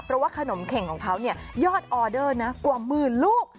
เพราะว่าขนมเข่งของเขายอดออเดอร์นะกว่าหมื่นลูก